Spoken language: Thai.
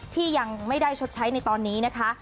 ที่ยังไม่ได้ชดใช้ในตอนนี้นะคะ